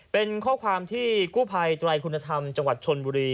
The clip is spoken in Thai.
เป็นข้อความที่กู้ภัยไตรคุณธรรมจังหวัดชนบุรี